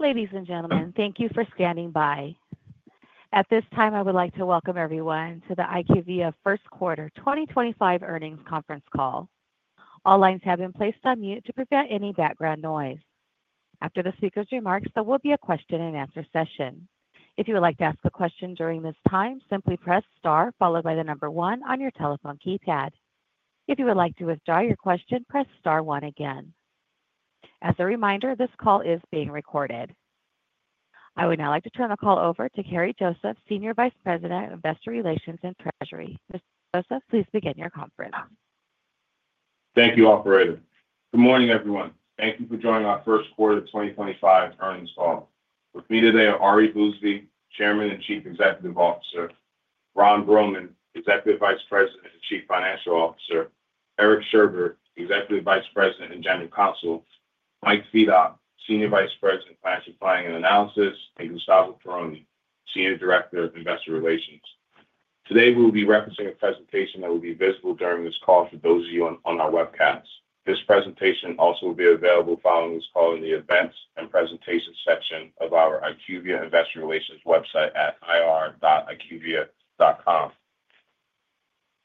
Ladies and gentlemen, thank you for standing by. At this time, I would like to Welcome everyone to the IQVIA First Quarter 2025 Earnings Conference Call. All lines have been placed on mute to prevent any background noise. After the speaker's remarks, there will be a question-and-answer session. If you would like to ask a question during this time, simply press star followed by the number one on your telephone keypad. If you would like to withdraw your question, press star one again. As a reminder, this call is being recorded. I would now like to turn the call over to Kerri Joseph, Senior Vice President of Investor Relations and Treasury. Mr. Joseph, please begin your conference. Thank you, Operator. Good morning, everyone. Thank you for joining our First Quarter 2025 Earnings Call. With me today are Ari Bousbib, Chairman and Chief Executive Officer; Ron Bruehlman, Executive Vice President and Chief Financial Officer; Eric Scherber, Executive Vice President and General Counsel; Mike Fedock, Senior Vice President of Financial Planning and Analysis; and Gustavo Peroni, Senior Director of Investor Relations. Today, we will be referencing a presentation that will be visible during this call for those of you on our webcasts. This presentation also will be available following this call in the Events and Presentations section of our IQVIA Investor Relations website at ira.iqvia.com.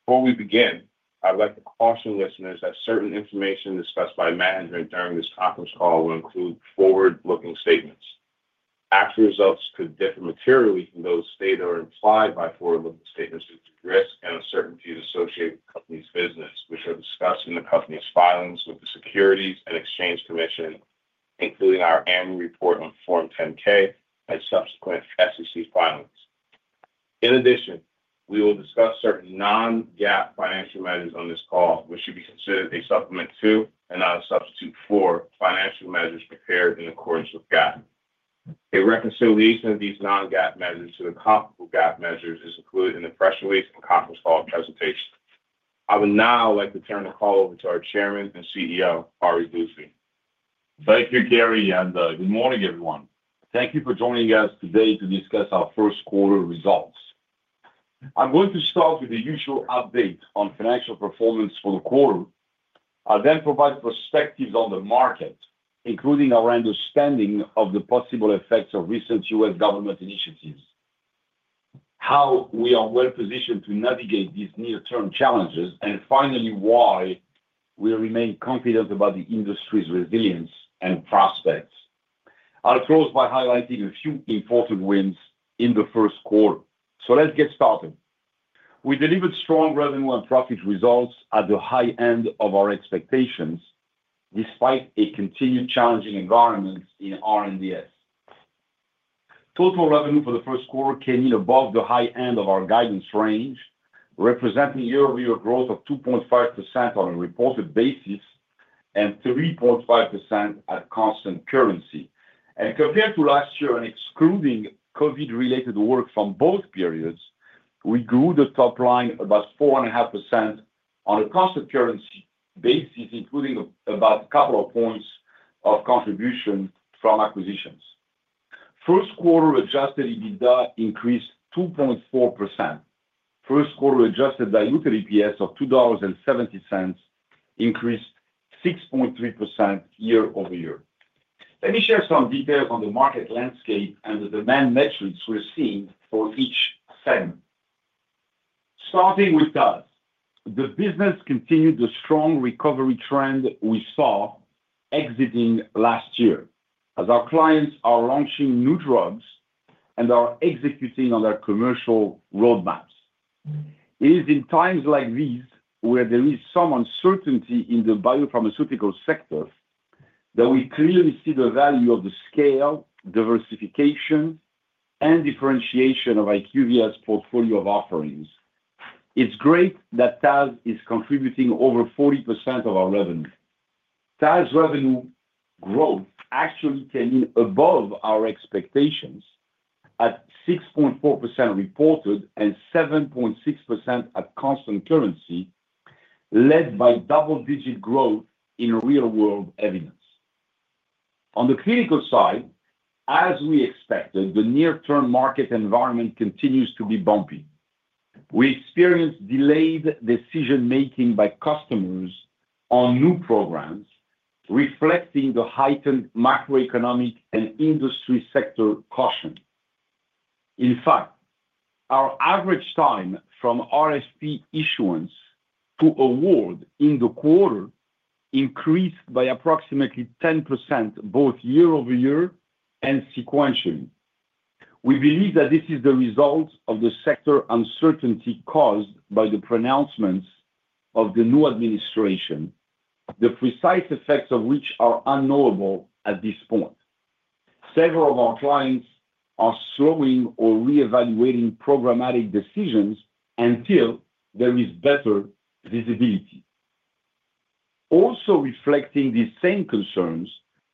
Before we begin, I would like to caution listeners that certain information discussed by management during this conference call will include forward-looking statements. Actual results could differ materially from those stated or implied by forward-looking statements due to risk and uncertainties associated with the company's business, which are discussed in the company's filings with the Securities and Exchange Commission, including our annual report on Form 10-K and subsequent SEC filings. In addition, we will discuss certain non-GAAP financial measures on this call, which should be considered a supplement to and not a substitute for financial measures prepared in accordance with GAAP. A reconciliation of these non-GAAP measures to the comparable GAAP measures is included in the press release and conference call presentation. I would now like to turn the call over to our Chairman and CEO, Ari Bousbib. Thank you, Kerri, and good morning, everyone. Thank you for joining us today to discuss our first quarter results. I'm going to start with the usual update on financial performance for the quarter. I'll then provide perspectives on the market, including our understanding of the possible effects of recent U.S. government initiatives, how we are well-positioned to navigate these near-term challenges, and finally, why we remain confident about the industry's resilience and prospects. I'll close by highlighting a few important wins in the first quarter. Let's get started. We delivered strong revenue and profit results at the high end of our expectations despite a continued challenging environment in R&D Solutions. Total revenue for the first quarter came in above the high end of our guidance range, representing year-over-year growth of 2.5% on a reported basis and 3.5% at constant currency. Compared to last year, and excluding COVID-related work from both periods, we grew the top line about 4.5% on a constant currency basis, including about a couple of points of contribution from acquisitions. First quarter adjusted EBITDA increased 2.4%. First quarter Adjusted diluted EPS of $2.70 increased 6.3% year-over-year. Let me share some details on the market landscape and the demand metrics we're seeing for each segment. Starting with GAAP, the business continued the strong recovery trend we saw exiting last year as our clients are launching new drugs and are executing on their commercial roadmaps. It is in times like these where there is some uncertainty in the biopharmaceutical sector that we clearly see the value of the scale, diversification, and differentiation of IQVIA's portfolio of offerings. It's great that TAS is contributing over 40% of our revenue. TAS's revenue growth actually came in above our expectations at 6.4% reported and 7.6% at constant currency, led by double-digit growth in real-world evidence. On the clinical side, as we expected, the near-term market environment continues to be bumpy. We experienced delayed decision-making by customers on new programs, reflecting the heightened macroeconomic and industry sector caution. In fact, our average time from RFP issuance to award in the quarter increased by approximately 10% both year-over-year and sequentially. We believe that this is the result of the sector uncertainty caused by the pronouncements of the new administration, the precise effects of which are unknowable at this point. Several of our clients are slowing or reevaluating programmatic decisions until there is better visibility. Also reflecting these same concerns,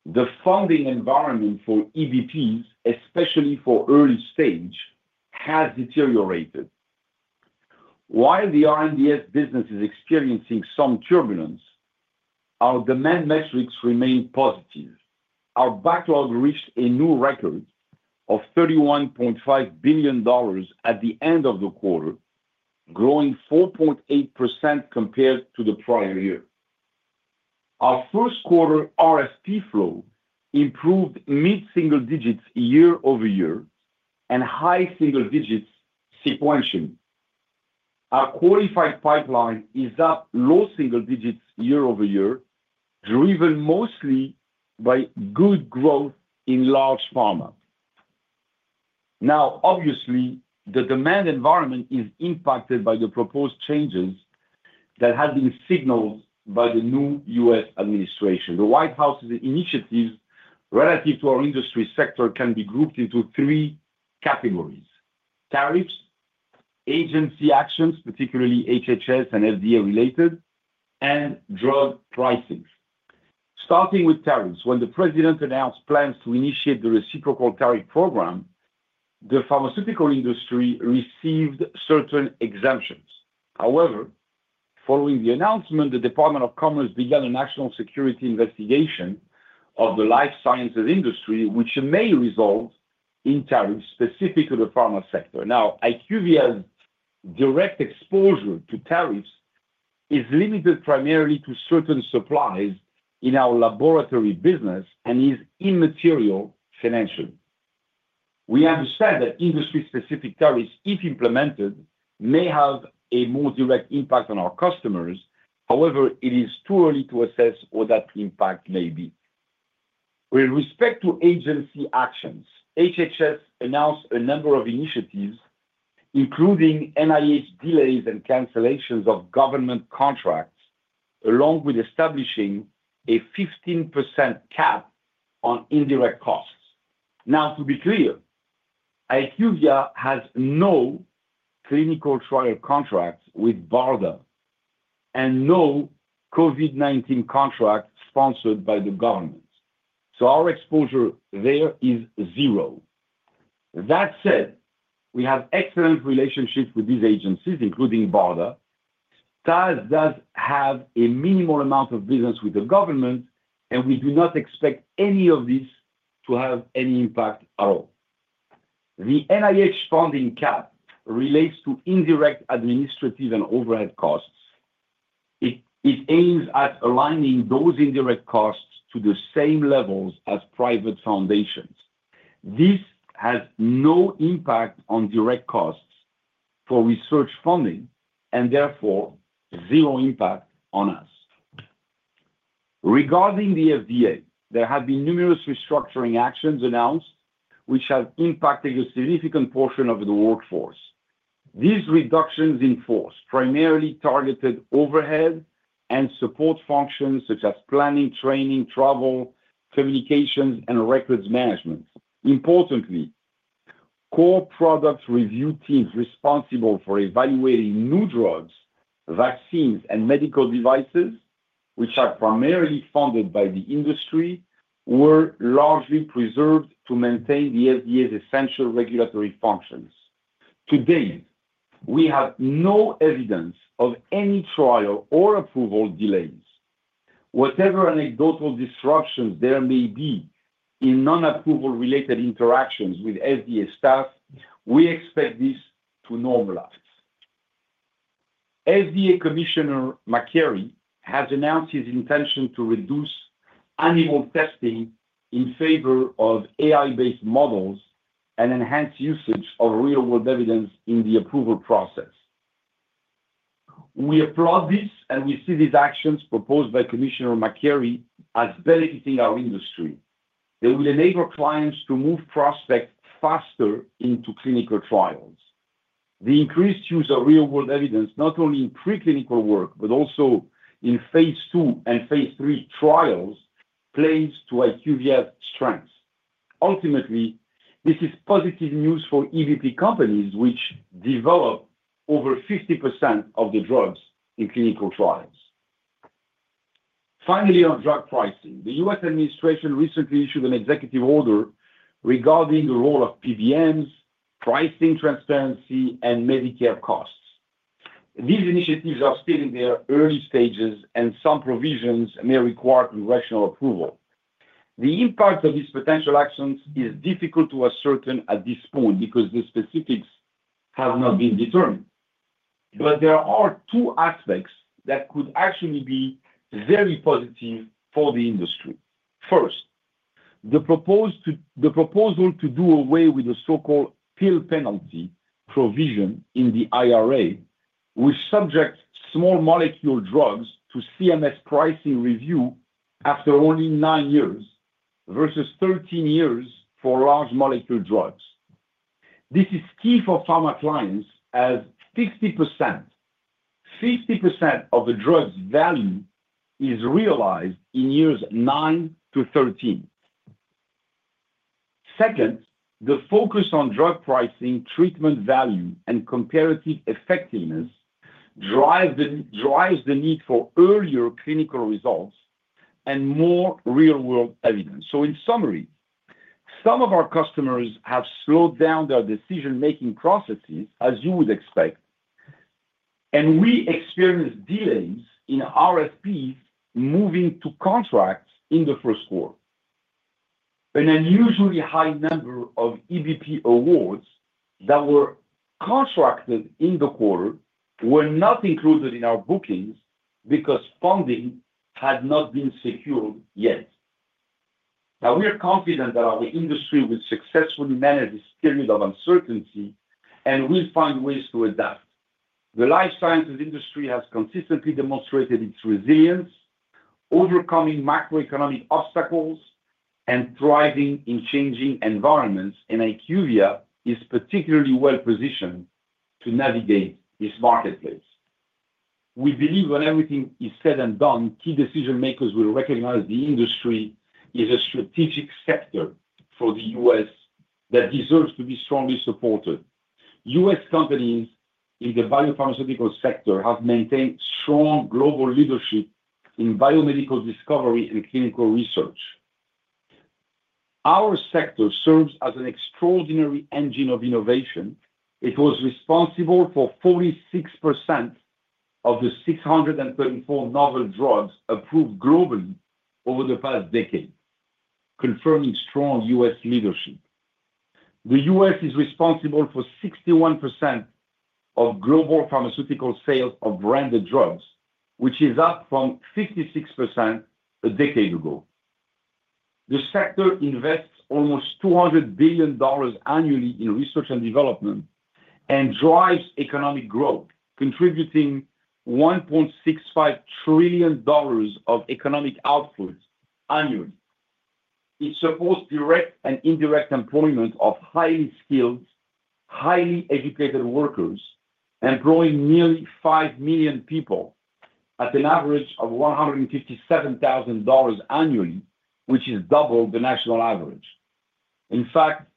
the funding environment for biotechs, especially for early stage, has deteriorated. While the R&D Solutions business is experiencing some turbulence, our demand metrics remain positive. Our backlog reached a new record of $31.5 billion at the end of the quarter, growing 4.8% compared to the prior year. Our first quarter RFP flow improved mid-single digits year-over-year and high single digits sequentially. Our qualified pipeline is up low single digits year-over-year, driven mostly by good growth in large pharma. Now, obviously, the demand environment is impacted by the proposed changes that have been signaled by the new U.S. administration. The White House's initiatives relative to our industry sector can be grouped into three categories: tariffs, agency actions, particularly HHS and FDA-related, and drug pricing. Starting with tariffs, when the President announced plans to initiate the reciprocal tariff program, the pharmaceutical industry received certain exemptions. However, following the announcement, the Department of Commerce began a national security investigation of the life sciences industry, which may result in tariffs specific to the pharma sector. Now, IQVIA's direct exposure to tariffs is limited primarily to certain supplies in our laboratory business and is immaterial financially. We understand that industry-specific tariffs, if implemented, may have a more direct impact on our customers. However, it is too early to assess what that impact may be. With respect to agency actions, HHS announced a number of initiatives, including NIH delays and cancellations of government contracts, along with establishing a 15% cap on indirect costs. Now, to be clear, IQVIA has no clinical trial contracts with BARDA and no COVID-19 contract sponsored by the government. So our exposure there is zero. That said, we have excellent relationships with these agencies, including BARDA. TAS does have a minimal amount of business with the government, and we do not expect any of this to have any impact at all. The NIH funding cap relates to indirect administrative and overhead costs. It aims at aligning those indirect costs to the same levels as private foundations. This has no impact on direct costs for research funding and therefore zero impact on us. Regarding the FDA, there have been numerous restructuring actions announced, which have impacted a significant portion of the workforce. These reductions in force primarily targeted overhead and support functions such as planning, training, travel, communications, and records management. Importantly, core product review teams responsible for evaluating new drugs, vaccines, and medical devices, which are primarily funded by the industry, were largely preserved to maintain the FDA's essential regulatory functions. To date, we have no evidence of any trial or approval delays. Whatever anecdotal disruptions there may be in non-approval-related interactions with FDA staff, we expect this to normalize. FDA Commissioner Makary has announced his intention to reduce animal testing in favor of AI-based models and enhance usage of real-world evidence in the approval process. We applaud this, and we see these actions proposed by Commissioner Makary as benefiting our industry. They will enable clients to move prospects faster into clinical trials. The increased use of real-world evidence, not only in preclinical work but also in phase two and phase three trials, plays to IQVIA's strengths. Ultimately, this is positive news for EVP companies, which develop over 50% of the drugs in clinical trials. Finally, on drug pricing, the U.S. administration recently issued an executive order regarding the role of PBMs, pricing transparency, and Medicare costs. These initiatives are still in their early stages, and some provisions may require congressional approval. The impact of these potential actions is difficult to ascertain at this point because the specifics have not been determined. There are two aspects that could actually be very positive for the industry. First, the proposal to do away with the so-called pill penalty provision in the IRA, which subjects small molecule drugs to CMS pricing review after only nine years versus 13 years for large molecule drugs. This is key for pharma clients as 50% of the drug's value is realized in years nine to thirteen. Second, the focus on drug pricing, treatment value, and comparative effectiveness drives the need for earlier clinical results and more real-world evidence. In summary, some of our customers have slowed down their decision-making processes, as you would expect, and we experience delays in RFPs moving to contracts in the first quarter. An unusually high number of EVP awards that were contracted in the quarter were not included in our bookings because funding had not been secured yet. Now, we are confident that our industry will successfully manage this period of uncertainty and will find ways to adapt. The life sciences industry has consistently demonstrated its resilience, overcoming macroeconomic obstacles and thriving in changing environments, and IQVIA is particularly well-positioned to navigate this marketplace. We believe when everything is said and done, key decision-makers will recognize the industry is a strategic sector for the U.S. that deserves to be strongly supported. U.S. companies in the biopharmaceutical sector have maintained strong global leadership in biomedical discovery and clinical research. Our sector serves as an extraordinary engine of innovation. It was responsible for 46% of the 634 novel drugs approved globally over the past decade, confirming strong U.S. leadership. The U.S. is responsible for 61% of global pharmaceutical sales of branded drugs, which is up from 56% a decade ago. The sector invests almost $200 billion annually in research and development and drives economic growth, contributing $1.65 trillion of economic output annually. It supports direct and indirect employment of highly skilled, highly educated workers, employing nearly 5 million people at an average of $157,000 annually, which is double the national average. In fact,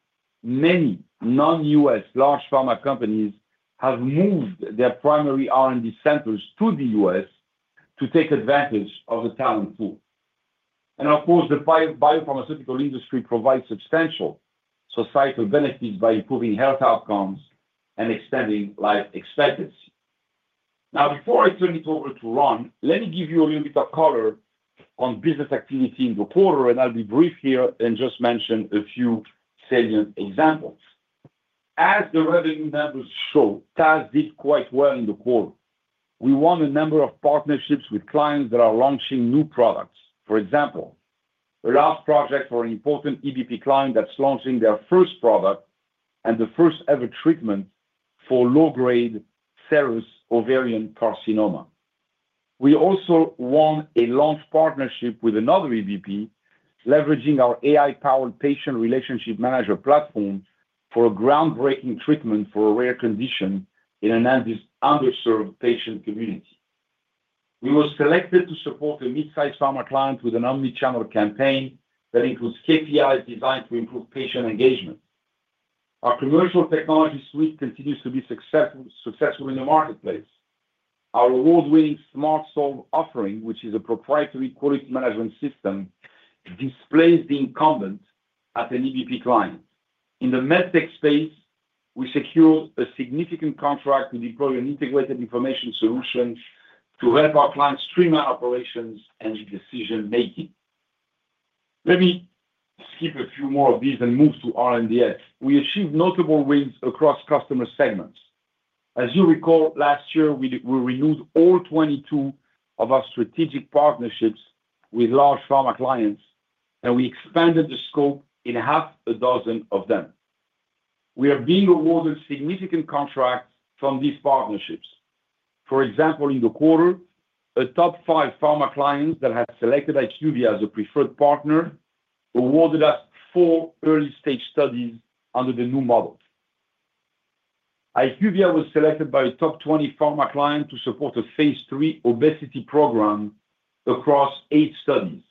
many non-U.S. large pharma companies have moved their primary R&D centers to the U.S. to take advantage of the talent pool. The biopharmaceutical industry provides substantial societal benefits by improving health outcomes and extending life expectancy. Now, before I turn it over to Ron, let me give you a little bit of color on business activity in the quarter, and I'll be brief here and just mention a few salient examples. As the revenue numbers show, TAS did quite well in the quarter. We won a number of partnerships with clients that are launching new products. For example, the last project for an important EVP client that's launching their first product and the first-ever treatment for low-grade serous ovarian carcinoma. We also won a launch partnership with another EVP, leveraging our AI-powered patient relationship manager platform for a groundbreaking treatment for a rare condition in an underserved patient community. We were selected to support a mid-size pharma client with an omnichannel campaign that includes KPIs designed to improve patient engagement. Our commercial technology suite continues to be successful in the marketplace. Our award-winning SmartSolve offering, which is a proprietary quality management system, displaces the incumbent at an EVP client. In the medtech space, we secured a significant contract to deploy an integrated information solution to help our clients streamline operations and decision-making. Let me skip a few more of these and move to R&D Solutions. We achieved notable wins across customer segments. As you recall, last year, we renewed all 22 of our strategic partnerships with large pharma clients, and we expanded the scope in half a dozen of them. We are being awarded significant contracts from these partnerships. For example, in the quarter, a top five pharma client that had selected IQVIA as a preferred partner awarded us four early-stage studies under the new model. IQVIA was selected by a top 20 pharma client to support a phase three obesity program across eight studies.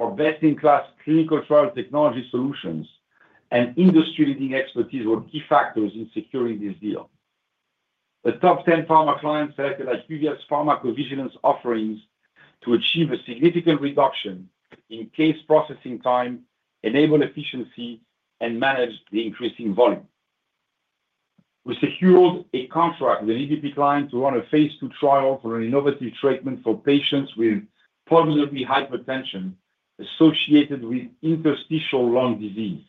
Our best-in-class clinical trial technology solutions and industry-leading expertise were key factors in securing this deal. The top 10 pharma clients selected IQVIA's pharmacovigilance offerings to achieve a significant reduction in case processing time, enable efficiency, and manage the increasing volume. We secured a contract with an EVP client to run a phase two trial for an innovative treatment for patients with pulmonary hypertension associated with interstitial lung disease.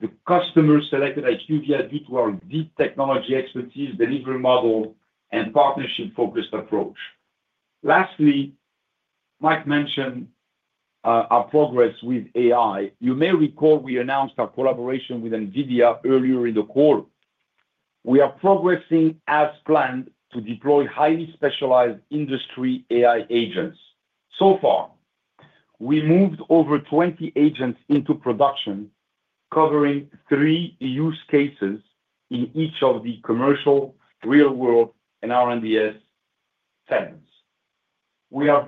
The customer selected IQVIA due to our deep technology expertise, delivery model, and partnership-focused approach. Lastly, Mike mentioned our progress with AI. You may recall we announced our collaboration with NVIDIA earlier in the quarter. We are progressing as planned to deploy highly specialized industry AI agents. So far, we moved over 20 agents into production, covering three use cases in each of the commercial, real-world, and R&D Solutions segments. We are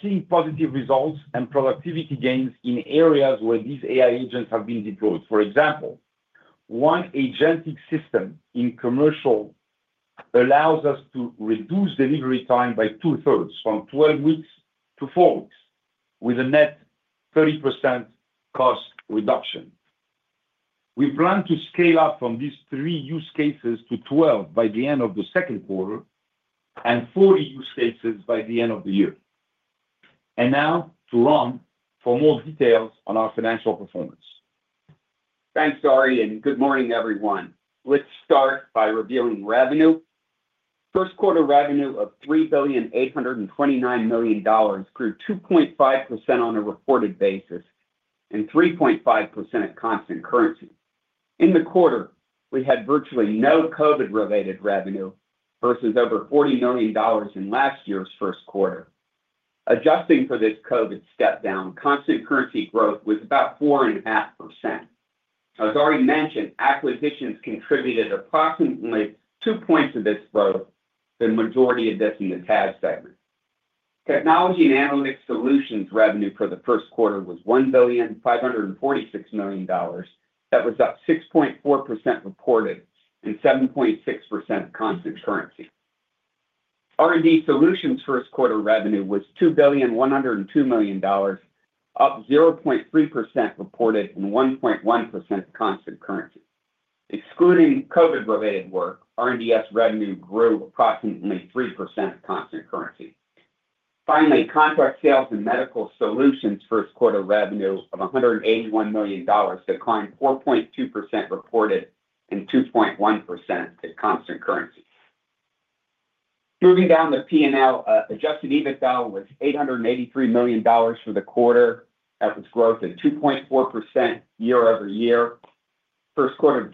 seeing positive results and productivity gains in areas where these AI agents have been deployed. For example, one agentic system in commercial allows us to reduce delivery time by two-thirds, from 12 weeks to 4 weeks, with a net 30% cost reduction. We plan to scale up from these three use cases to 12 by the end of the second quarter and 40 use cases by the end of the year. Now to Ron for more details on our financial performance. Thanks, Ari, and good morning, everyone. Let's start by revealing revenue. First quarter revenue of $3,829 million grew 2.5% on a reported basis and 3.5% at constant currency. In the quarter, we had virtually no COVID-related revenue versus over $40 million in last year's first quarter. Adjusting for this COVID step-down, constant currency growth was about 4.5%. As Ari mentioned, acquisitions contributed approximately two points of this growth, the majority of this in the TAS segment. Technology and Analytics Solutions revenue for the first quarter was $1,546 million. That was up 6.4% reported and 7.6% constant currency. R&D Solutions first quarter revenue was $2,102 million, up 0.3% reported and 1.1% constant currency. Excluding COVID-related work, R&D Solutions revenue grew approximately 3% at constant currency. Finally, Contract Sales & Medical Solutions first quarter revenue of $181 million declined 4.2% reported and 2.1% at constant currency. Moving down the P&L, Adjusted EBITDA was $883 million for the quarter. That was growth at 2.4% year over year. First quarter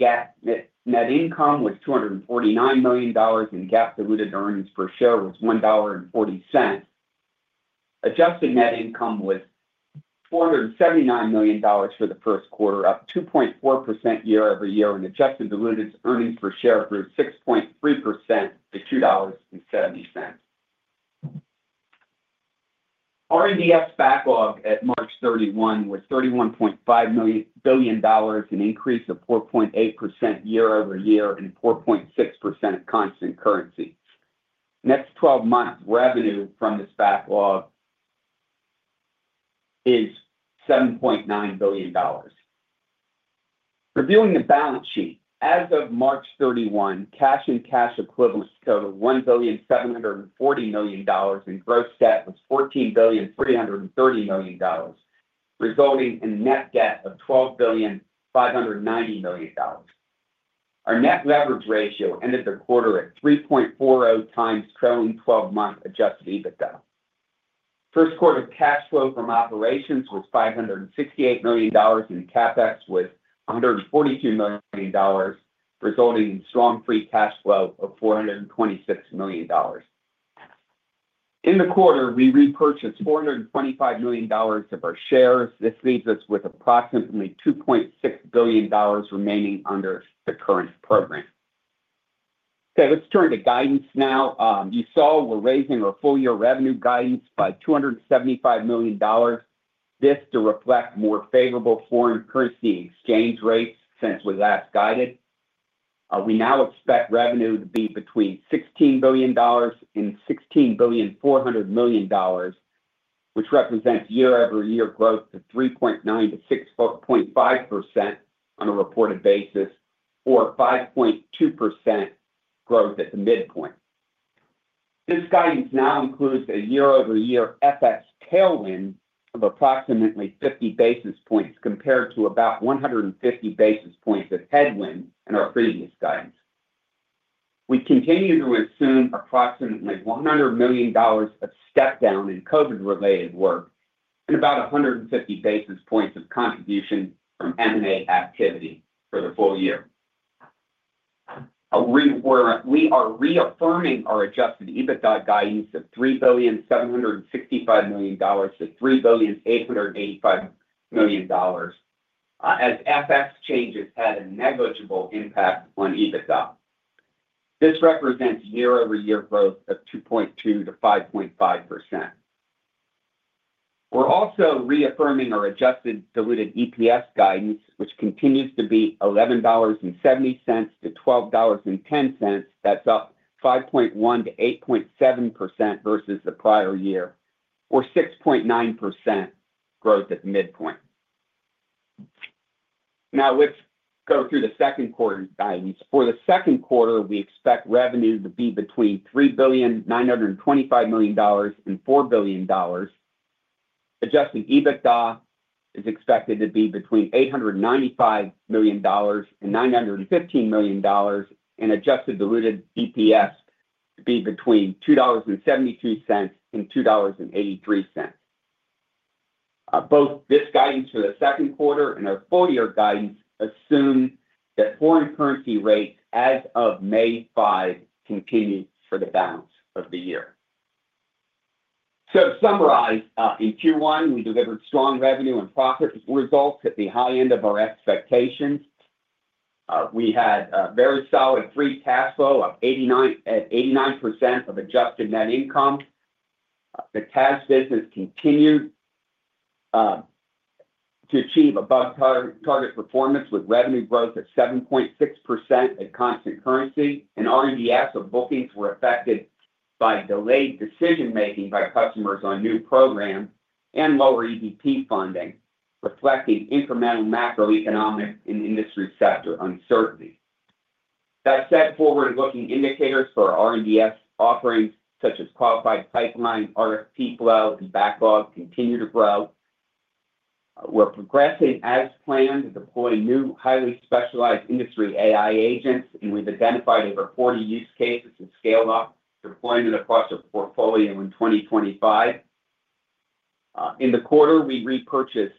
Net income was $249 million, and GAAP diluted earnings per share was $1.40. Adjusted Net income was $479 million for the first quarter, up 2.4% year over year, and Adjusted diluted earnings per share grew 6.3% to $2.70. R&D Solutions backlog at March 31 was $31.5 billion, an increase of 4.8% year- over- year and 4.6% at constant currency. Next 12 months' revenue from this backlog is $7.9 billion. Reviewing the Balance sheet, as of March 31, cash and cash equivalents totaled $1,740 million, and gross debt was $14,330 million, resulting in a net debt of $12,590 million. Our net leverage ratio ended the quarter at 3.40 times trailing 12-month Adjusted EBITDA. First quarter cash flow from operations was $568 million, and capex was $142 million, resulting in strong Free cash flow of $426 million. In the quarter, we repurchased $425 million of our shares. This leaves us with approximately $2.6 billion remaining under the current program. Okay, let's turn to guidance now. You saw we're raising our full-year revenue guidance by $275 million. This to reflect more favorable foreign currency exchange rates since we last guided. We now expect revenue to be between $16 billion and $16.4 billion, which represents year-over-year growth of 3.9% to 6.5% on a reported basis or 5.2% growth at the midpoint. This guidance now includes a year-over-year FX tailwind of approximately 50 basis points compared to about 150 basis points of headwind in our previous guidance. We continue to assume approximately $100 million of step-down in COVID-related work and about 150 basis points of contribution from M&A activity for the full year. We are reaffirming our Adjusted EBITDA guidance of $3,765 million-$3,885 million as FX changes had a negligible impact on EBITDA. This represents year-over-year growth of 2.2% to 5.5%. We're also reaffirming our Adjusted diluted EPS guidance, which continues to be $11.70 to $12.10. That's up 5.1% to 8.7% versus the prior year or 6.9% growth at the midpoint. Now, let's go through the second quarter guidance. For the second quarter, we expect revenue to be between $3,925 million and $4 billion. Adjusted EBITDA is expected to be between $895 million and $915 million, and Adjusted diluted EPS to be between $2.72 and $2.83. This guidance for the second quarter and our full-year guidance assume that foreign currency rates as of May 5 continue for the balance of the year. To summarize, in Q1, we delivered strong revenue and profit results at the high end of our expectations. We had a very solid Free cash flow at 89% of Adjusted Net income. The TAS business continued to achieve above-target performance with revenue growth of 7.6% at constant currency, and R&D Solutions bookings were affected by delayed decision-making by customers on new programs and lower EVP funding, reflecting incremental macroeconomic and industry sector uncertainty. That said, forward-looking indicators for R&D Solutions offerings, such as qualified pipeline, RFP flow, and backlog, continue to grow. We're progressing as planned to deploy new highly specialized industry AI agents, and we've identified over 40 use cases to scale up deployment across our portfolio in 2025. In the quarter, we repurchased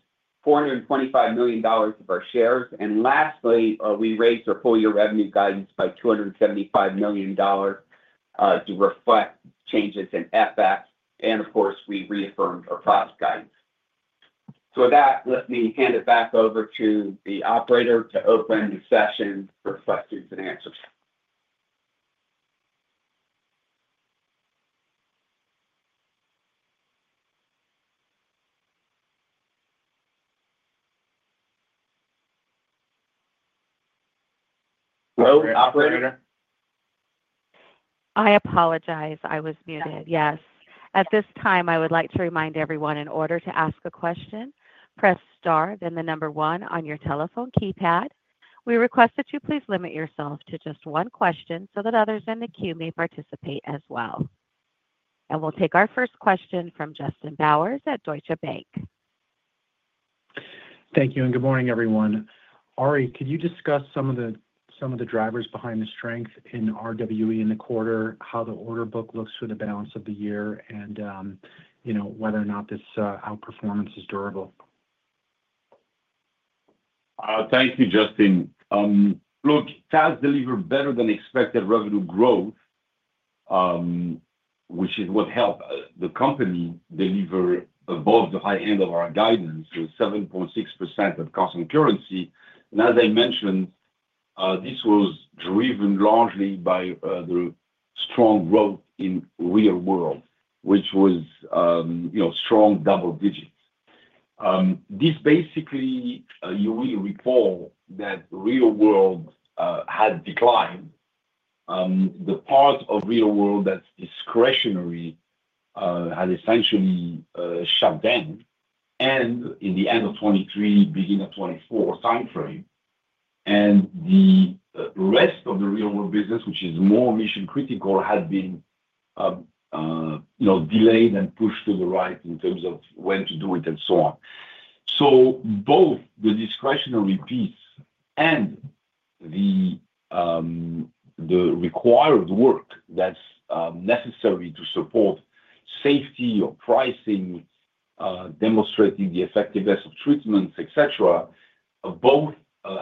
$425 million of our shares. Lastly, we raised our full-year revenue guidance by $275 million to reflect changes in FX. Of course, we reaffirmed our profit guidance. With that, let me hand it back over to the operator to open the session for questions and answers. Hello, operator. I apologize. I was muted. Yes. At this time, I would like to remind everyone, in order to ask a question, press star, then the number one on your telephone keypad. We request that you please limit yourself to just one question so that others in the queue may participate as well. We'll take our first question from Justin Bowers at Deutsche Bank. Thank you. Good morning, everyone. Ari, could you discuss some of the drivers behind the strength in RWE in the quarter, how the order book looks for the balance of the year, and whether or not this outperformance is durable? Thank you, Justin. Look, TAS delivered better-than-expected revenue growth, which is what helped the company deliver above the high end of our guidance, 7.6% at constant currency. As I mentioned, this was driven largely by the strong growth in real world, which was strong double digits. You will recall that real world had declined. The part of real world that's discretionary had essentially shut down in the end of 2023, beginning of 2024 timeframe. The rest of the real world business, which is more mission-critical, had been delayed and pushed to the right in terms of when to do it and so on. Both the discretionary piece and the required work that's necessary to support safety or pricing, demonstrating the effectiveness of treatments, etc., both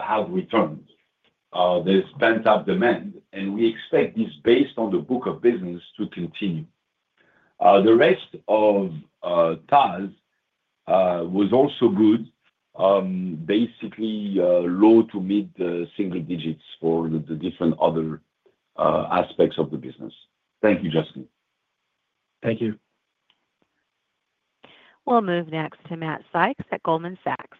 have returned. There's pent-up demand, and we expect this, based on the book of business, to continue. The rest of TAS was also good, basically low to mid single digits for the different other aspects of the business. Thank you, Justin. Thank you. We'll move next to Matt Sykes at Goldman Sachs.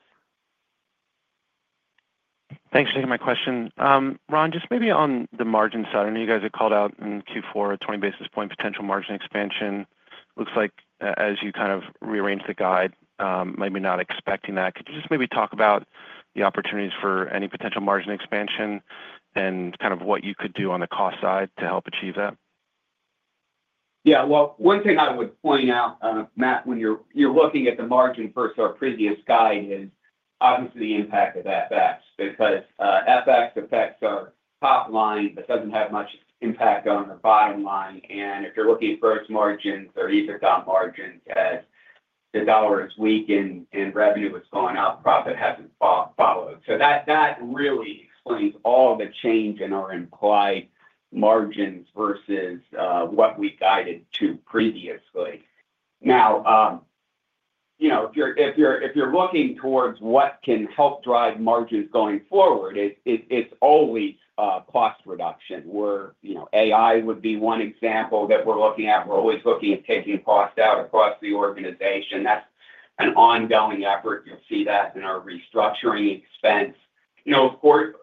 Thanks for taking my question. Ron, just maybe on the margin side, I know you guys had called out in Q4 a 20-basis point potential margin expansion. Looks like, as you kind of rearranged the guide, maybe not expecting that. Could you just maybe talk about the opportunities for any potential margin expansion and kind of what you could do on the cost side to help achieve that? Yeah. One thing I would point out, Matt, when you're looking at the margin first, our previous guide is obviously the impact of FX because FX affects our top line, but does not have much impact on our bottom line. If you're looking at Gross margins or EBITDA margins, as the dollar is weak and revenue has gone up, profit has not followed. That really explains all the change in our implied margins versus what we guided to previously. Now, if you're looking towards what can help drive margins going forward, it's always cost reduction. AI would be one example that we're looking at. We're always looking at taking costs out across the organization. That's an ongoing effort. You'll see that in our restructuring expense. Of course,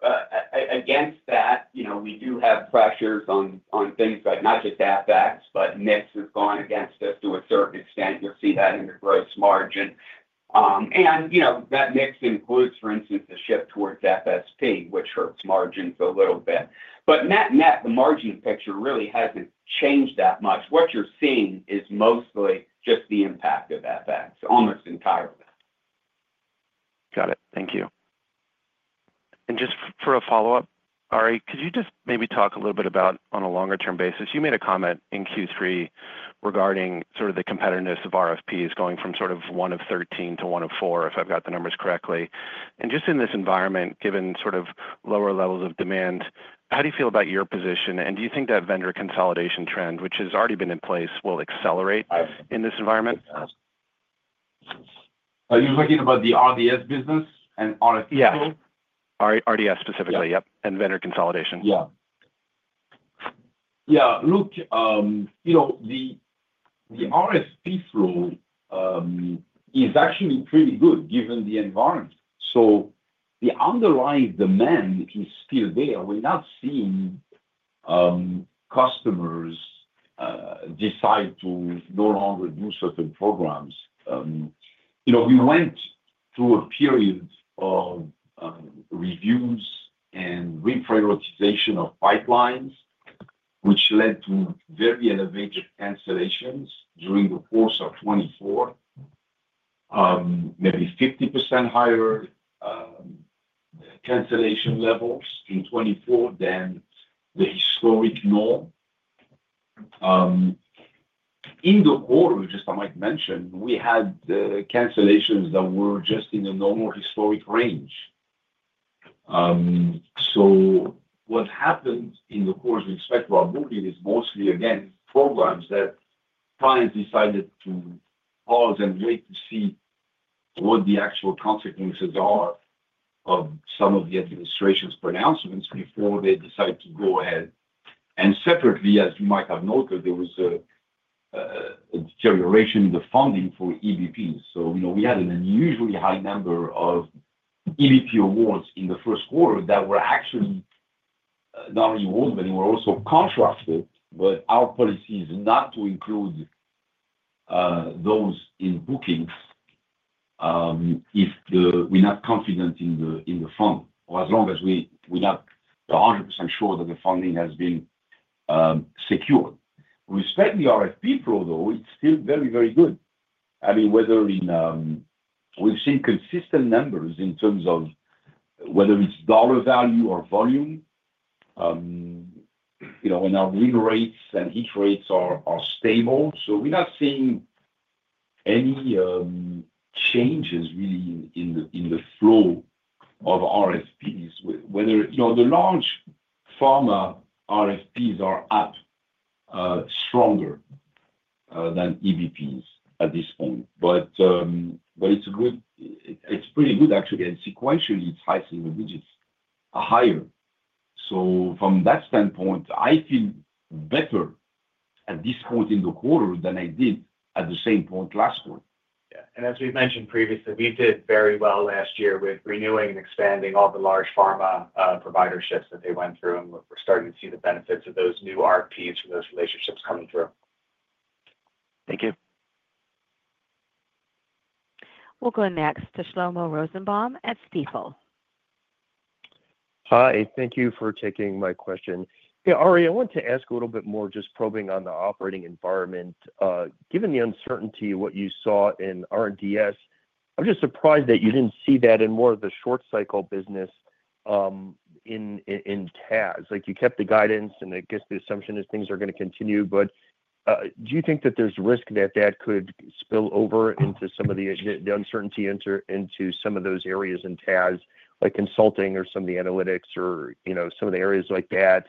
against that, we do have pressures on things like not just FX, but mix has gone against us to a certain extent. You'll see that in the Gross margin. And that mix includes, for instance, the shift towards FSP, which hurts margins a little bit. Net net, the margin picture really hasn't changed that much. What you're seeing is mostly just the impact of FX, almost entirely. Got it. Thank you. Just for a follow-up, Ari, could you just maybe talk a little bit about, on a longer-term basis, you made a comment in Q3 regarding sort of the competitiveness of RFPs going from sort of 1 of 13 to 1 of 4, if I've got the numbers correctly. In this environment, given sort of lower levels of demand, how do you feel about your position? Do you think that vendor consolidation trend, which has already been in place, will accelerate in this environment? Are you looking about the RDS business and RFP flow? Yeah. RDS specifically, yep, and vendor consolidation. Yeah. Yeah. Look, the RFP flow is actually pretty good given the environment. The underlying demand is still there. We're not seeing customers decide to no longer do certain programs. We went through a period of reviews and reprioritization of pipelines, which led to very elevated cancellations during the course of 2024, maybe 50% higher cancellation levels in 2024 than the historic norm. In the quarter, just I might mention, we had cancellations that were just in the normal historic range. What happened in the course we expect to our booking is mostly, again, programs that clients decided to pause and wait to see what the actual consequences are of some of the administration's pronouncements before they decide to go ahead. Separately, as you might have noted, there was a deterioration in the funding for EVPs. We had an unusually high number of EVP awards in the first quarter that were actually not only awards, but they were also contracted. Our policy is not to include those in bookings if we're not confident in the funding, or as long as we're not 100% sure that the funding has been secured. Respecting the RFP flow, though, it's still very, very good. I mean, we've seen consistent numbers in terms of whether it's dollar value or volume, and our win rates and hit rates are stable. We're not seeing any changes really in the flow of RFPs. The large pharma RFPs are up stronger than EVPs at this point. It's pretty good, actually. Sequentially, it's rising the digits higher. From that standpoint, I feel better at this point in the quarter than I did at the same point last quarter. Yeah. As we've mentioned previously, we did very well last year with renewing and expanding all the large pharma provider shifts that they went through, and we're starting to see the benefits of those new RFPs from those relationships coming through. Thank you. We'll go next to Shlomo Rosenbaum at Stifel. Hi. Thank you for taking my question. Hey, Ari, I wanted to ask a little bit more, just probing on the operating environment. Given the uncertainty of what you saw in R&D Solutions, I'm just surprised that you didn't see that in more of the short-cycle business in TAS. You kept the guidance, and I guess the assumption is things are going to continue. Do you think that there's risk that that could spill over into some of the uncertainty into some of those areas in TAS, like consulting or some of the analytics or some of the areas like that?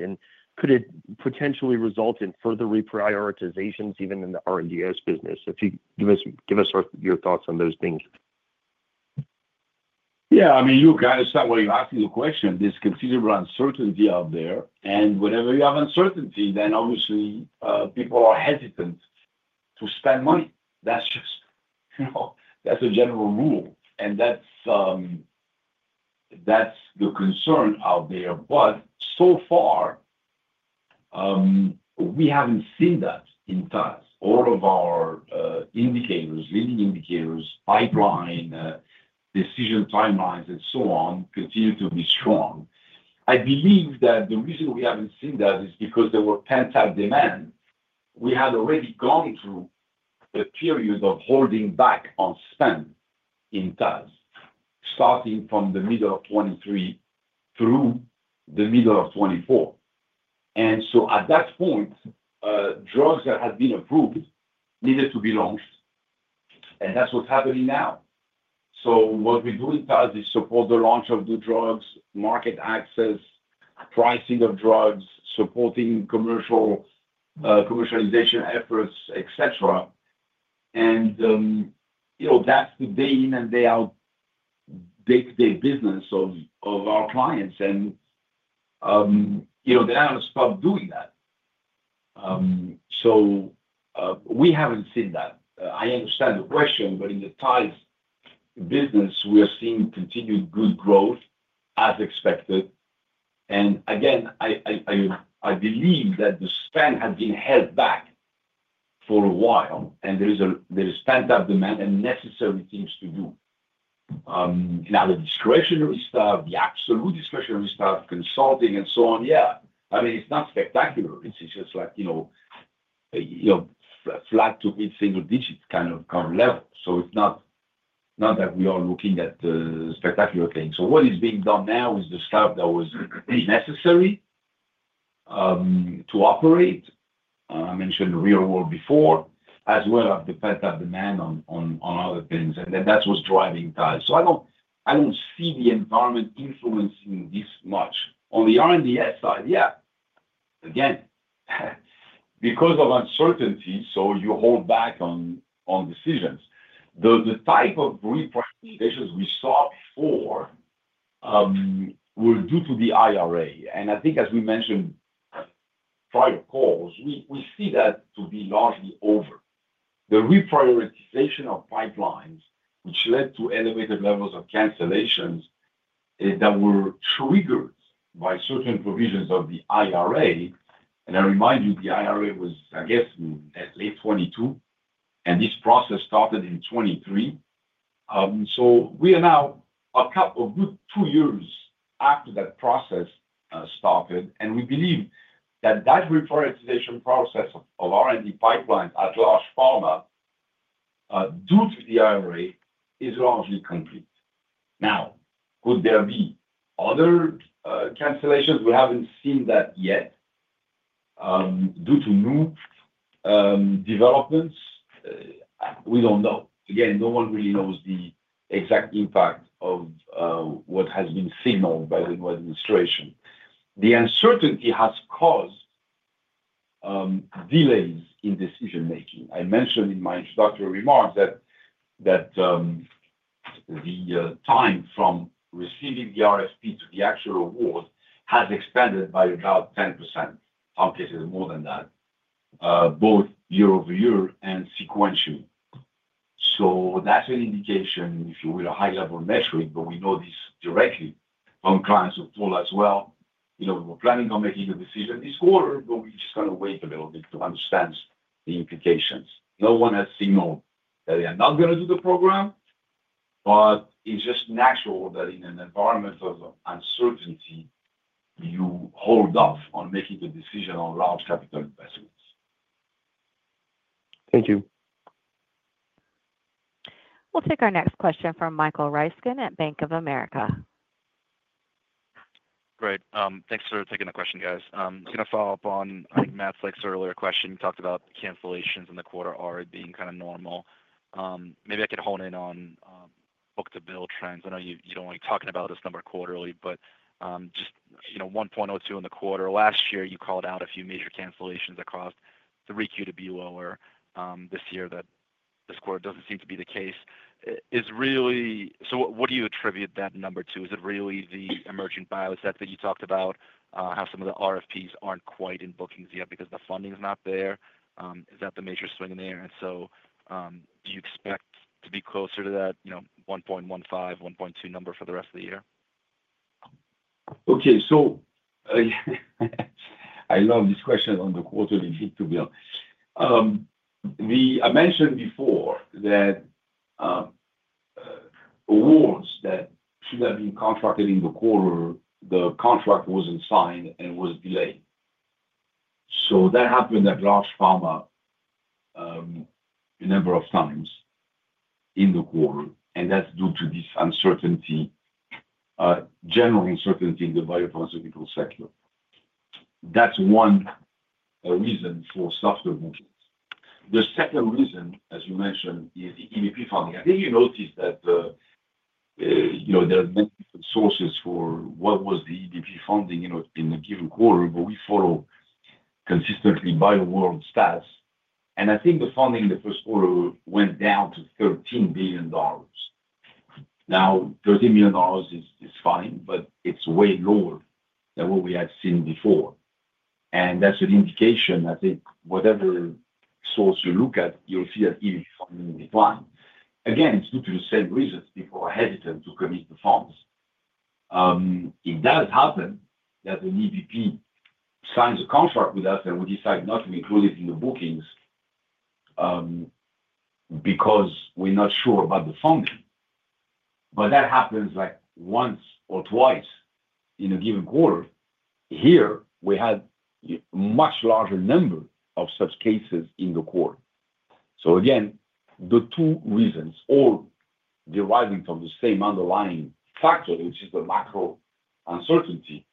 Could it potentially result in further reprioritizations even in the R&D Solutions business? If you give us your thoughts on those things. Y eah. I mean, you're kind of somewhere you're asking the question. There's considerable uncertainty out there. Whenever you have uncertainty, then obviously people are hesitant to spend money. That's just a general rule. That's the concern out there. So far, we haven't seen that in TAS. All of our indicators, leading indicators, pipeline, decision timelines, and so on continue to be strong. I believe that the reason we haven't seen that is because there were pent-up demands. We had already gone through a period of holding back on spend in TAS, starting from the middle of 2023 through the middle of 2024. At that point, drugs that had been approved needed to be launched. That is what is happening now. What we do in TAS is support the launch of the drugs, market access, pricing of drugs, supporting commercialization efforts, etc. That is the day-in and day-out day-to-day business of our clients. They have not stopped doing that. We have not seen that. I understand the question, but in the TAS business, we are seeing continued good growth as expected. I believe that the spend has been held back for a while, and there is pent-up demand and necessary things to do. Now, the discretionary stuff, the absolute discretionary stuff, consulting, and so on, yeah. I mean, it is not spectacular. It's just like flat to mid single digit kind of level. It is not that we are looking at the spectacular things. What is being done now is the stuff that was necessary to operate, I mentioned real-world before, as well as the pent-up demand on other things. That was driving TAS. I do not see the environment influencing this much. On the R&D Solutions side, yeah. Again, because of uncertainty, you hold back on decisions. The type of reprioritizations we saw before were due to the IRA. I think, as we mentioned prior calls, we see that to be largely over. The reprioritization of pipelines, which led to elevated levels of cancellations that were triggered by certain provisions of the IRA. I remind you, the IRA was, I guess, at least 2022, and this process started in 2023. We are now a couple of good two years after that process started. We believe that that reprioritization process of R&D pipelines at large pharma due to the IRA is largely complete. Now, could there be other cancellations? We have not seen that yet due to new developments. We do not know. Again, no one really knows the exact impact of what has been signaled by the new administration. The uncertainty has caused delays in decision-making. I mentioned in my introductory remarks that the time from receiving the RFP to the actual award has expanded by about 10%, in some cases more than that, both year- over-year and sequentially. That's an indication, if you will, a high-level metric, but we know this directly from clients who've told us, "Well, we were planning on making a decision this quarter, but we're just going to wait a little bit to understand the implications." No one has signaled that they are not going to do the program, but it's just natural that in an environment of uncertainty, you hold off on making the decision on large capital investments. Thank you. We'll take our next question from Michael Ryskin at Bank of America. Great. Thanks for taking the question, guys. Just going to follow up on, I think, Matt Sykes earlier question. You talked about cancellations in the quarter already being kind of normal. Maybe I could hone in on book-to-bill trends. I know you don't like talking about this number quarterly, but just 1.02 in the quarter. Last year, you called out a few major cancellations that caused the req to be lower. This year, this quarter does not seem to be the case. What do you attribute that number to? Is it really the emerging bias that you talked about, how some of the RFPs are not quite in bookings yet because the funding is not there? Is that the major swing in there? Do you expect to be closer to that 1.15 - 1.2 number for the rest of the year? Okay. I love this question on the quarter, to be honest. I mentioned before that awards that should have been contracted in the quarter, the contract was not signed and was delayed. That happened at large pharma a number of times in the quarter, and that is due to this uncertainty, general uncertainty in the biopharmaceutical sector. That is one reason for softer bookings. The second reason, as you mentioned, is the EVP funding. I think you noticed that there are many different sources for what was the EVP funding in a given quarter, but we follow consistently BioWorld stats. I think the funding in the first quarter went down to $13 billion. Now, $13 million is fine, but it's way lower than what we had seen before. That's an indication, I think, whatever source you look at, you'll see that EVP funding declined. Again, it's due to the same reasons people are hesitant to commit the funds. It does happen that an EVP signs a contract with us, and we decide not to include it in the bookings because we're not sure about the funding. That happens like once or twice in a given quarter. Here, we had a much larger number of such cases in the quarter. Again, the two reasons all deriving from the same underlying factor, which is the macro uncertainty.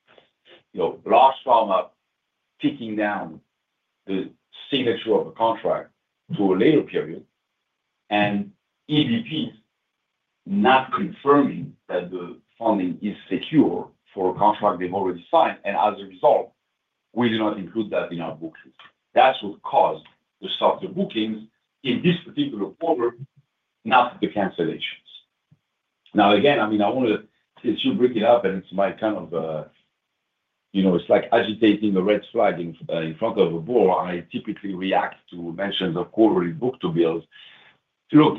Large pharma ticking down the signature of a contract to a later period and EVPs not confirming that the funding is secure for a contract they've already signed. As a result, we do not include that in our bookings. That's what caused the softer bookings in this particular quarter, not the cancellations. Now, again, I mean, I want to since you bring it up, and it's my kind of it's like agitating a red flag in front of a board. I typically react to mentions of quarterly book-to-bills. Look,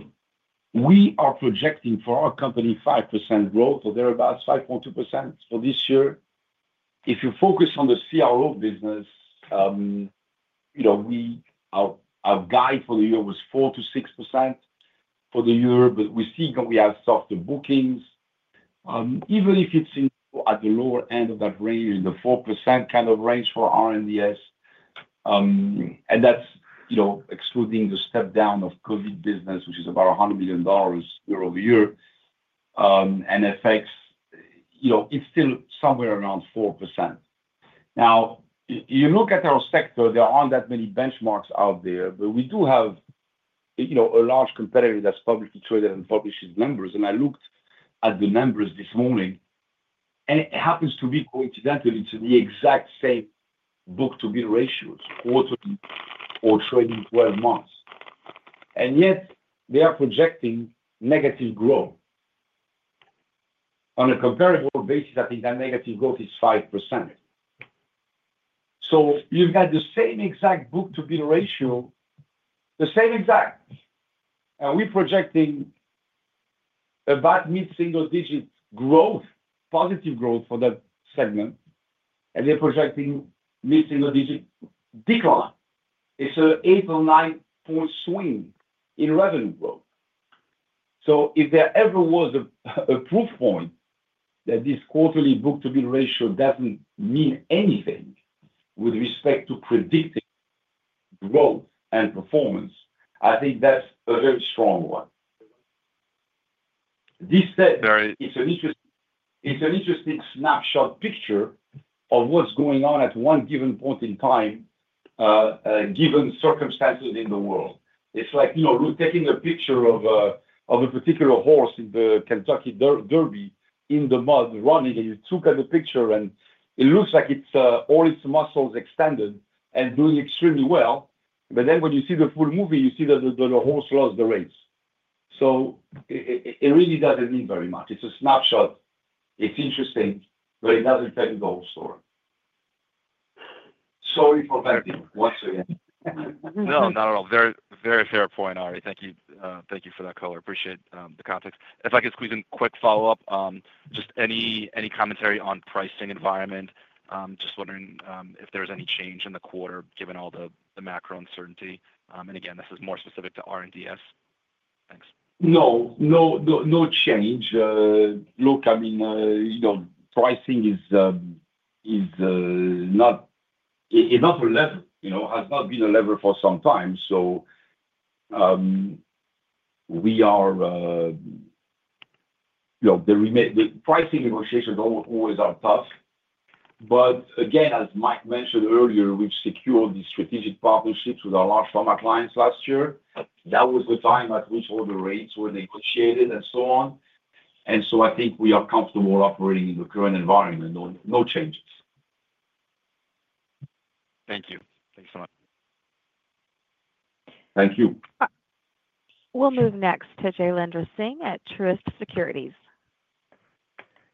we are projecting for our company 5% growth or thereabouts, 5.2% for this year. If you focus on the CRO business, our guide for the year was 4% -6% for the year, but we see that we have softer bookings. Even if it's at the lower end of that range, in the 4% kind of range for R&D Solutions. That's excluding the step down of COVID business, which is about $100 million year over year, and effects, it's still somewhere around 4%. You look at our sector, there aren't that many benchmarks out there, but we do have a large competitor that's publicly traded and publishes numbers. I looked at the numbers this morning, and it happens to be coincidentally the exact same book-to-bill ratios, quarterly or trailing 12 months. Yet, they are projecting negative growth. On a comparable basis, I think that negative growth is 5%. You have the same exact book-to-bill ratio, the same exact. We're projecting about mid single digit growth, positive growth for that segment, and they're projecting mid single digit decline. It's an 8 or 9-point swing in revenue growth. If there ever was a proof point that this quarterly book-to-bill ratio does not mean anything with respect to predicting growth and performance, I think that is a very strong one. This. Very. It is an interesting snapshot picture of what is going on at one given point in time, given circumstances in the world. It is like you are taking a picture of a particular horse in the Kentucky Derby in the mud running, and you took a picture, and it looks like all its muscles extended and doing extremely well. When you see the full movie, you see that the horse lost the race. It really does not mean very much. It is a snapshot. It is interesting, but it does not tell you the whole story. Sorry for backing once again. No, not at all. Very fair point, Ari. Thank you for that color. Appreciate the context. If I could squeeze in a quick follow-up, just any commentary on pricing environment? Just wondering if there's any change in the quarter given all the macro uncertainty. Again, this is more specific to R&D Solutions. Thanks. No, no change. Look, I mean, pricing is not a level. It has not been a level for some time. The pricing negotiations always are tough. Again, as Mike mentioned earlier, we've secured the strategic partnerships with our large pharma clients last year. That was the time at which all the rates were negotiated and so on. I think we are comfortable operating in the current environment. No changes. Thank you. Thank you so much. Thank you. We'll move next to Jailendra Singh at Truist Securities.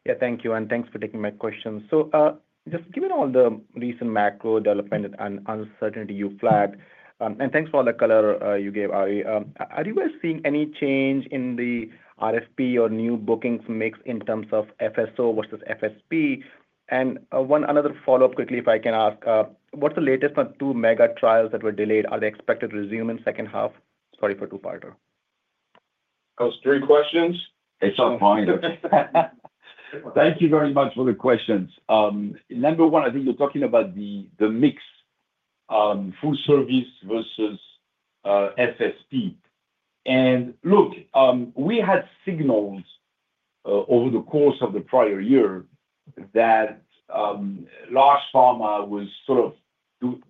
Yeah, thank you. And thanks for taking my question. Just given all the recent macro development and uncertainty you flagged, and thanks for all the color you gave, Ari, are you guys seeing any change in the RFP or new bookings mix in terms of FSO versus FSP? One other follow-up quickly, if I can ask, what's the latest on two mega trials that were delayed? Are they expected to resume in the second half? Sorry for two-parter. Those three questions? It's a binder. Thank you very much for the questions. Number one, I think you're talking about the mix, full service versus FSP. Look, we had signals over the course of the prior year that large pharma was sort of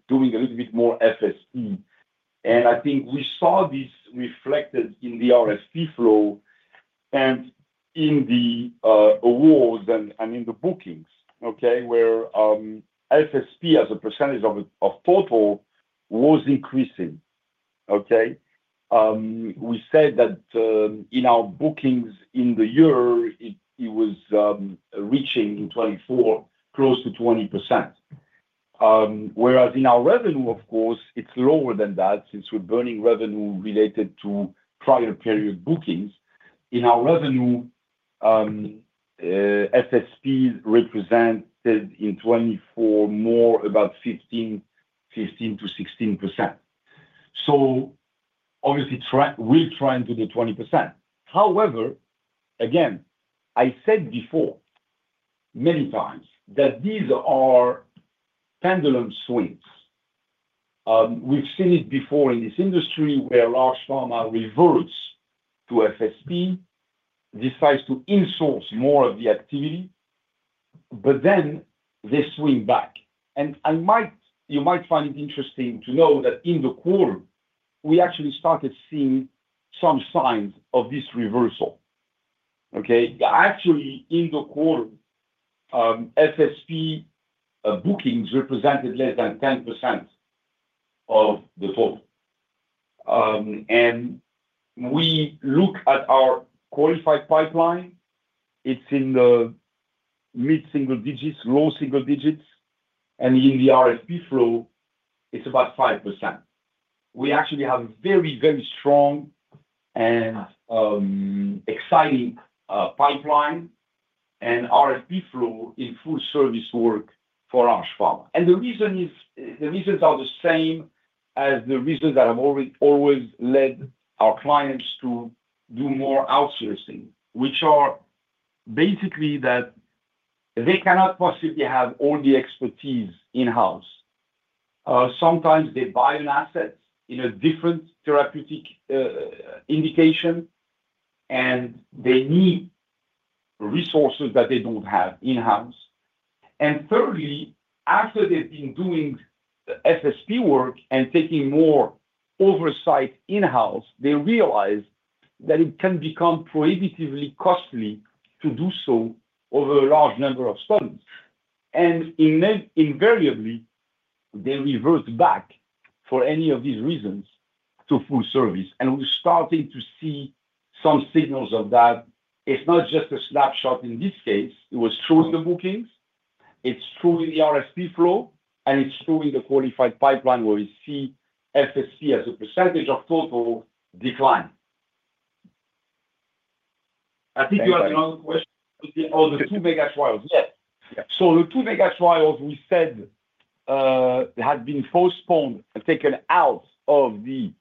doing a little bit more FSP. I think we saw this reflected in the RFP flow and in the awards and in the bookings, where FSP as a percentage of total was increasing. We said that in our bookings in the year, it was reaching 24, close to 20%. Whereas in our revenue, of course, it's lower than that since we're burning revenue related to prior period bookings. In our revenue, FSP represented in 2024 more about 15%-16%. Obviously, we're trying to do 20%. However, I said before many times that these are pendulum swings. We've seen it before in this industry where large pharma reverts to FSP, decides to insource more of the activity, but then they swing back. You might find it interesting to know that in the quarter, we actually started seeing some signs of this reversal. Actually, in the quarter, FSP bookings represented less than 10% of the total. We look at our qualified pipeline. It's in the mid single digits, low single digits. In the RFP flow, it's about 5%. We actually have a very, very strong and exciting pipeline and RFP flow in full service work for large pharma. The reasons are the same as the reasons that have always led our clients to do more outsourcing, which are basically that they cannot possibly have all the expertise in-house. Sometimes they buy an asset in a different therapeutic indication, and they need resources that they don't have in-house. Thirdly, after they've been doing FSP work and taking more oversight in-house, they realize that it can become prohibitively costly to do so over a large number of studies. Invariably, they revert back for any of these reasons to full service. We're starting to see some signals of that. It's not just a snapshot in this case. It was true in the bookings. It's true in the RFP flow, and it's true in the qualified pipeline where we see FSP as a percentage of total decline. I think you have another question about the two mega trials. Yes. The two mega trials we said had been postponed and taken out of the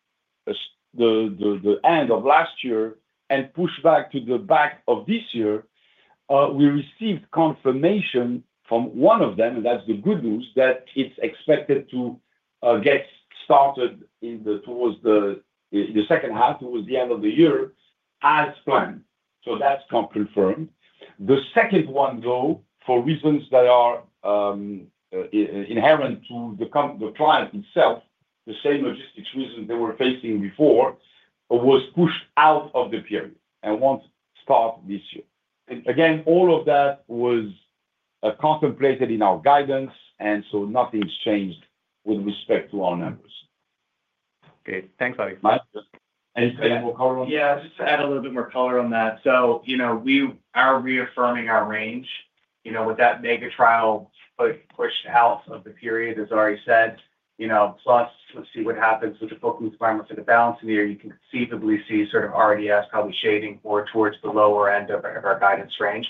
end of last year and pushed back to the back of this year. We received confirmation from one of them, and that's the good news, that it's expected to get started towards the second half, towards the end of the year as planned. That's confirmed. The second one, though, for reasons that are inherent to the client itself, the same logistics reasons they were facing before, was pushed out of the period and won't start this year. Again, all of that was contemplated in our guidance, and nothing's changed with respect to our numbers. Okay. Thanks, Ari. We'll cover on that. Yeah, just to add a little bit more color on that. We are reaffirming our range. With that mega trial pushed out of the period, as Ari said, plus let's see what happens with the booking requirements and the balance in the year, you can conceivably see sort of RDS probably shading more towards the lower end of our guidance range.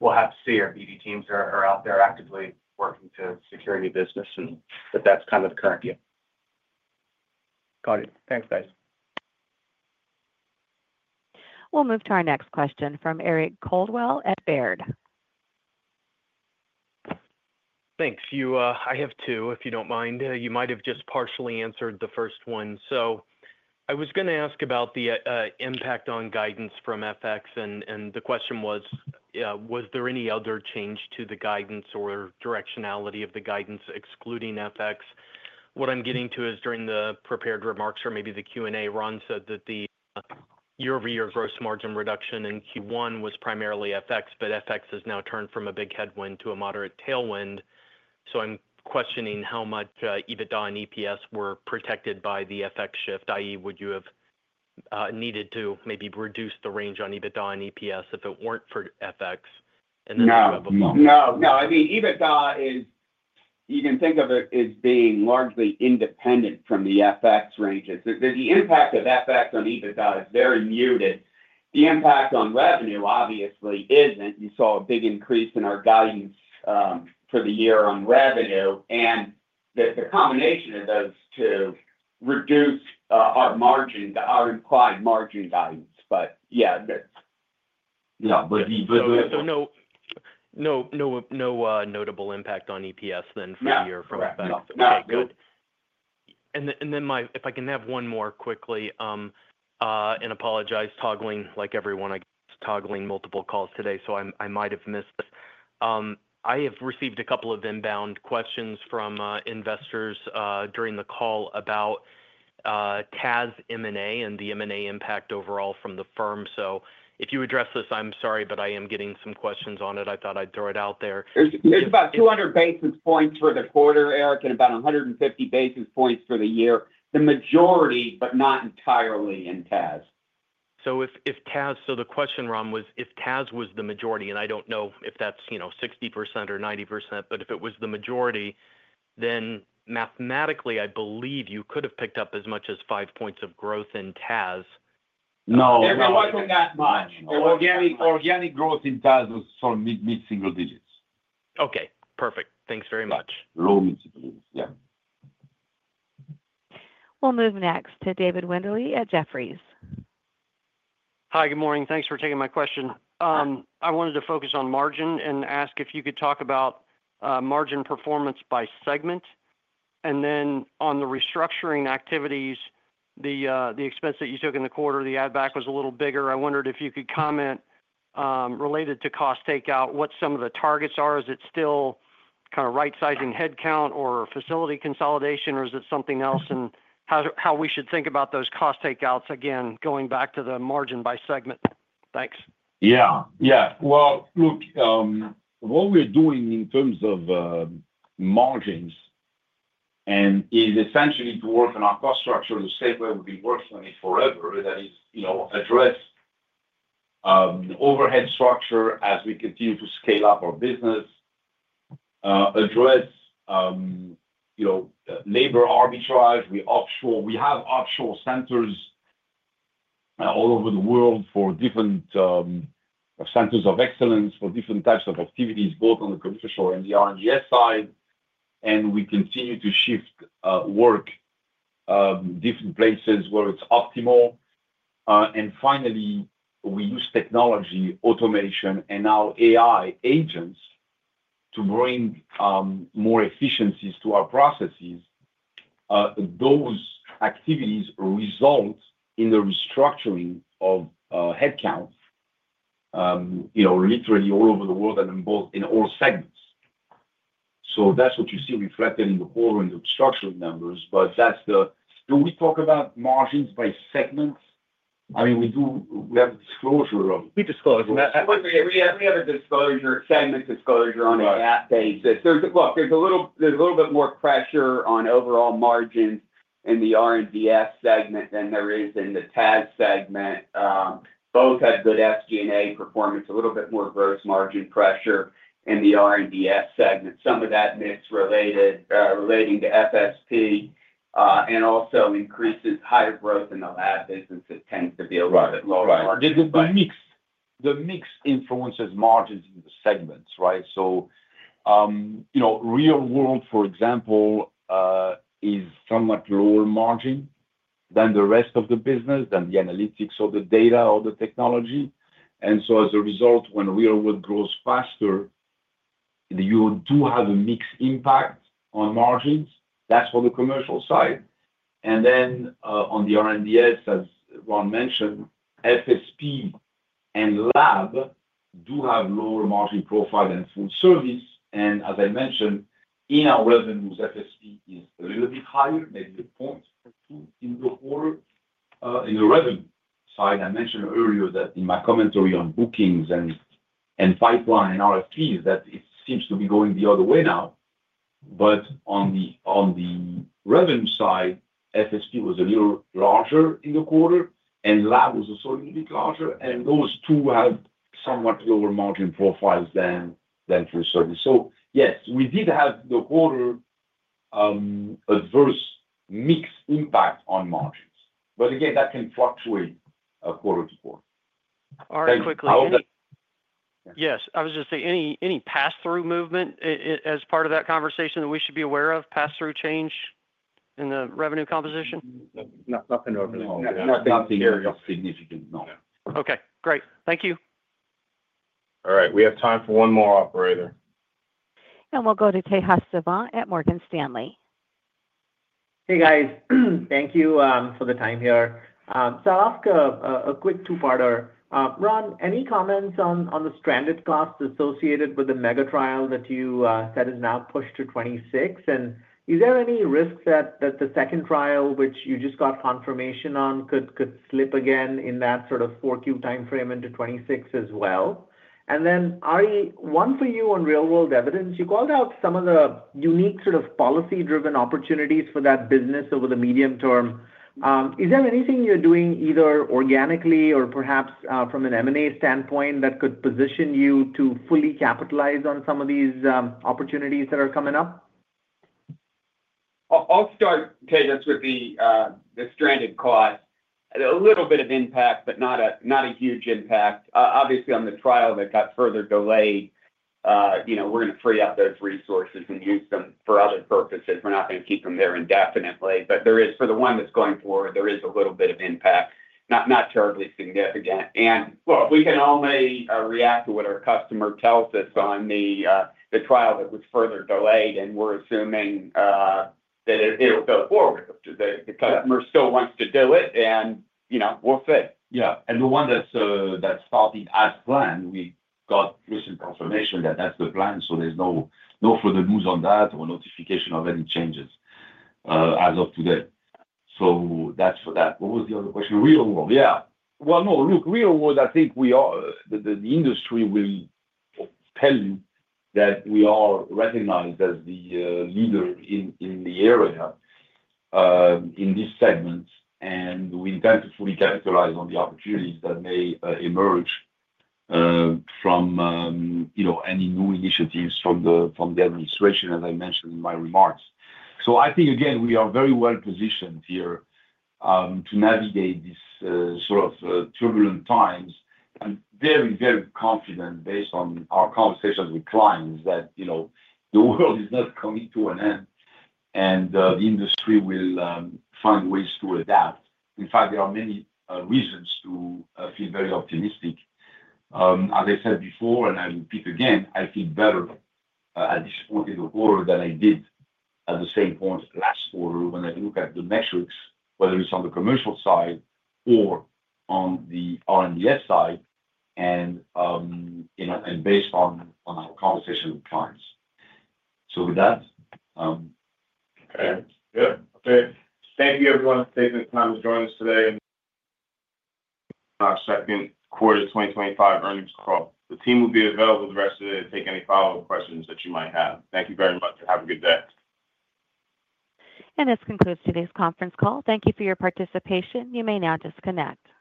We'll have to see. Our BD teams are out there actively working to secure your business, and that's kind of the current view. Got it. Thanks, guys. We'll move to our next question from Eric Coldwell at Baird. Thanks. I have two, if you don't mind. You might have just partially answered the first one. I was going to ask about the impact on guidance from FX, and the question was, was there any other change to the guidance or directionality of the guidance excluding FX? What I'm getting to is during the prepared remarks or maybe the Q&A run, said that the year-over-year gross margin reduction in Q1 was primarily FX, but FX has now turned from a big headwind to a moderate tailwind. I'm questioning how much EBITDA and EPS were protected by the FX shift, i.e., would you have needed to maybe reduce the range on EBITDA and EPS if it weren't for FX? You have a question. No, no, no. I mean, EBITDA is, you can think of it as being largely independent from the FX ranges. The impact of FX on EBITDA is very muted. The impact on revenue, obviously, isn't. You saw a big increase in our guidance for the year on revenue, and the combination of those two reduced our implied margin guidance. Yeah, that's yeah. No notable impact on EPS then for the year from FX. Okay. Good. If I can have one more quickly, and apologize toggling like everyone, I get to toggling multiple calls today, so I might have missed this. I have received a couple of inbound questions from investors during the call about TAS M&A and the M&A impact overall from the firm. If you addressed this, I'm sorry, but I am getting some questions on it. I thought I'd throw it out there. There's about 200 basis points for the quarter, Eric, and about 150 basis points for the year. The majority, but not entirely in TAS. The question, Ron, was if TAS was the majority, and I do not know if that is 60% or 90%, but if it was the majority, then mathematically, I believe you could have picked up as much as five percentage points of growth in TAS. No, no. There was not that much. Organic growth in TAS was sort of mid single digits. Okay. Perfect. Thanks very much. Low mid single digits. Yeah. We will move next to David Windley at Jefferies. Hi, good morning. Thanks for taking my question. I wanted to focus on margin and ask if you could talk about margin performance by segment. On the restructuring activities, the expense that you took in the quarter, the add-back was a little bigger. I wondered if you could comment related to cost takeout, what some of the targets are. Is it still kind of right-sizing headcount or facility consolidation, or is it something else? And how we should think about those cost takeouts, again, going back to the margin by segment. Thanks. Yeah. Yeah. Look, what we're doing in terms of margins is essentially to work on our cost structure the same way we've been working on it forever, that is, address overhead structure as we continue to scale up our business, address labor arbitrage. We have offshore centers all over the world for different centers of excellence for different types of activities, both on the commercial and the R&D Solutions side. We continue to shift work different places where it's optimal. Finally, we use technology, automation, and now AI agents to bring more efficiencies to our processes. Those activities result in the restructuring of headcount literally all over the world and in all segments. That's what you see reflected in the quarter and the structural numbers, but that's the do we talk about margins by segments? I mean, we have a disclosure of we disclose. We have a disclosure, segment disclosure on a GAAP basis. Look, there's a little bit more pressure on overall margins in the R&D Solutions segment than there is in the Technology & Analytics Solutions segment. Both have good FG&A performance, a little bit more gross margin pressure in the R&D Solutions segment. Some of that mix relating to FSP and also increases, higher growth in the lab business. It tends to be a little bit lower margin. The mix influences margins in the segments, right? Real-world, for example, is somewhat lower margin than the rest of the business, than the analytics or the data or the technology. As a result, when real-world grows faster, you do have a mixed impact on margins. That is for the commercial side. Then on the R&D Solutions, as Ron mentioned, FSP and lab do have lower margin profile than full service. As I mentioned, in our revenues, FSP is a little bit higher, maybe a point in the quarter. On the revenue side, I mentioned earlier that in my commentary on bookings and pipeline and RFPs, that it seems to be going the other way now. On the revenue side, FSP was a little larger in the quarter, and lab was also a little bit larger. Those two have somewhat lower margin profiles than full service. Yes, we did have the quarter adverse mixed impact on margins. Again, that can fluctuate quarter to quarter. All right. Quickly, David. Yes.I was just saying, any pass-through movement as part of that conversation that we should be aware of, pass-through change in the revenue composition? Nothing significant. Nothing significant. No. Okay. Great. Thank you. All right. We have time for one more operator. And we'll go to Tejas Savant at Morgan Stanley. Hey, guys. Thank you for the time here. I'll ask a quick two-parter. Ron, any comments on the stranded costs associated with the mega trial that you said is now pushed to 2026? Is there any risk that the second trial, which you just got confirmation on, could slip again in that sort of forecast timeframe into 2026 as well? Ari, one for you on real-world evidence. You called out some of the unique sort of policy-driven opportunities for that business over the medium term. Is there anything you're doing either organically or perhaps from an M&A standpoint that could position you to fully capitalize on some of these opportunities that are coming up? I'll start, Tejas, with the stranded cost. A little bit of impact, but not a huge impact. Obviously, on the trial that got further delayed, we're going to free up those resources and use them for other purposes. We're not going to keep them there indefinitely. For the one that's going forward, there is a little bit of impact, not terribly significant. We can only react to what our customer tells us on the trial that was further delayed, and we're assuming that it'll go forward. The customer still wants to do it, and we'll see. Yeah. The one that's starting as planned, we got recent confirmation that that's the plan, so there's no further news on that or notification of any changes as of today. That's for that. What was the other question? Real world, yeah. Real world, I think the industry will tell you that we are recognized as the leader in the area in this segment, and we intend to fully capitalize on the opportunities that may emerge from any new initiatives from the administration, as I mentioned in my remarks. I think, again, we are very well positioned here to navigate these sort of turbulent times. I'm very, very confident, based on our conversations with clients, that the world is not coming to an end, and the industry will find ways to adapt. In fact, there are many reasons to feel very optimistic. As I said before, and I repeat again, I feel better at this point in the quarter than I did at the same point last quarter when I look at the metrics, whether it's on the commercial side or on the R&D Solutions side and based on our conversation with clients. With that. Okay yeah. Okay. Thank you, everyone, for taking the time to join us today in our Second Quarter 2025 Earnings Call. The team will be available the rest of the day to take any follow-up questions that you might have. Thank you very much, and have a good day. This concludes today's conference call. Thank you for your participation. You may now disconnect.